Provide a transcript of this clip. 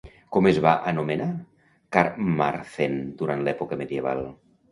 Com es va anomenar Carmarthen durant l'època medieval?